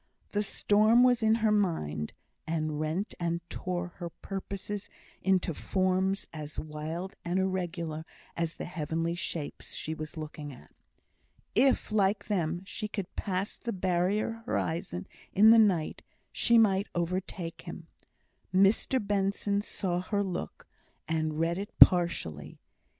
The storm was in her mind, and rent and tore her purposes into forms as wild and irregular as the heavenly shapes she was looking at. If, like them, she could pass the barrier horizon in the night, she might overtake him. Mr Benson saw her look, and read it partially.